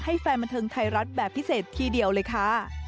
แฟนบันเทิงไทยรัฐแบบพิเศษทีเดียวเลยค่ะ